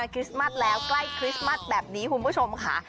คริสต์มัสแล้วใกล้คริสต์มัสแบบนี้คุณผู้ชมค่ะ